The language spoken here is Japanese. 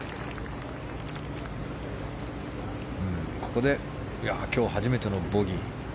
ここで今日初めてのボギー。